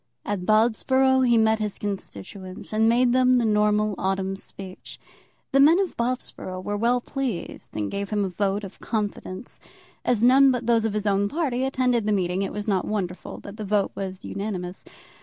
At Bobsborough he met his constituents, and made them the normal autumn speech. The men of Bobsborough were well pleased and gave him a vote of confidence. As none but those of his own party attended the meeting, it was not wonderful that the vote was unanimous.